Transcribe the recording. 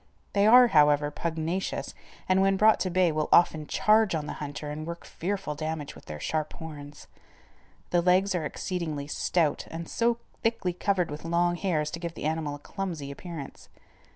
They are, however, pugnacious, and, when brought to bay, will often charge on the hunter and work fearful damage with their sharp horns. The legs are exceedingly stout and so thickly covered with long hair as to give the animal a clumsy appearance.